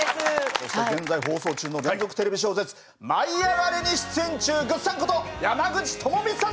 そして現在放送中の連続テレビ小説「舞いあがれ！」に出演中ぐっさん